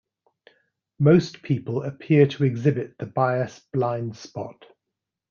Most people appear to exhibit the bias blind spot.